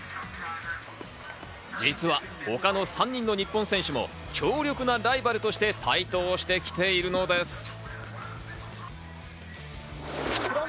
実は他の３人の日本選手も強力なライバルとして台頭してきているのです。